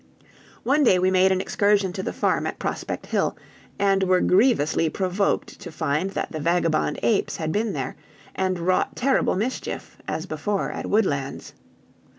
One day we made an excursion to the farm at Prospect Hill, and were grievously provoked to find that the vagabond apes had been there, and wrought terrible mischief, as before at Woodlands.